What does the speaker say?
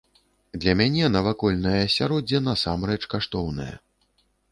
Для мяне навакольнае асяроддзе насамрэч каштоўнае.